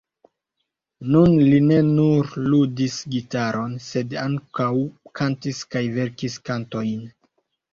Nun li ne nur ludis gitaron, sed ankaŭ kantis kaj verkis kantojn.